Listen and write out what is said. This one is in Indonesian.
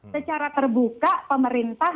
secara terbuka pemerintah